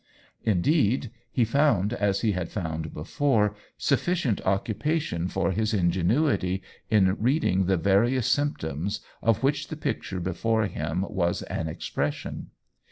Indeed, he found, as he had found before, sufficient occupa tion for his ingenuity in reading the various symptoms of which the picture before him OWEN WINGRAVE 197 was an expression.